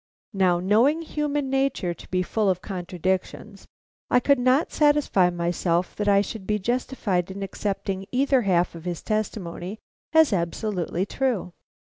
Now, knowing human nature to be full of contradictions, I could not satisfy myself that I should be justified in accepting either half of his testimony as absolutely true.